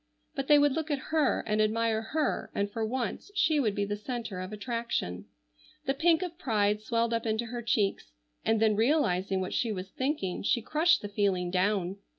But they would look at her and admire her and for once she would be the centre of attraction. The pink of pride swelled up into her cheeks, and then realizing what she was thinking she crushed the feeling down.